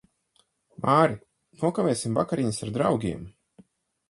Māri, nokavēsim vakariņas ar draugiem.